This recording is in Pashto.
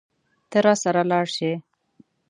ته راسره لاړ شې.